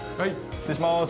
・失礼します。